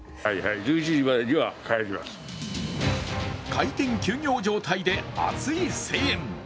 開店休業状態で熱い声援。